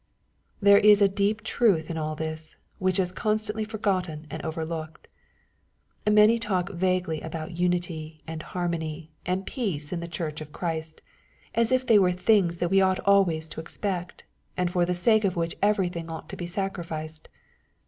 There is a deep truth in all this, which is constantly forgotten and overlooked. Many talk vaguely about unity, and harmony, and peace in the Church of Christ, as if they were things that we ought always to expect, and for the sake of which everything ought to be sacri ficed.